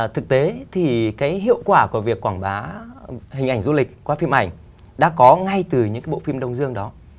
thực tế thì cái hiệu quả của việc quảng bá hình ảnh du lịch qua phim ảnh đã có ngay từ những cái bộ phim đông dương đó